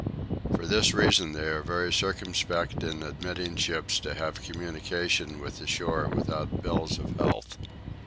For this reason they are very circumspect in admitting ships to have communication with the shore without bills of health.